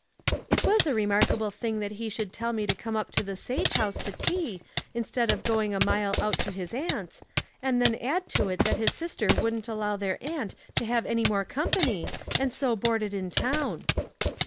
"It was a remarkable thing that he should tell me to come to the Sage House to tea, in stead of going a mile out to his aunt's, and then add to it that his sister wouldn't allow their aunt to have any more company, and so boarded in town."